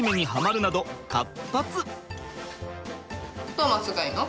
トーマスがいいの？